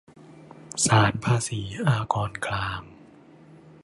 ศาลภาษีอากรกลาง